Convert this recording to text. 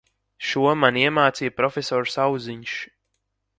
Šo man iemācīja profesors Auziņš.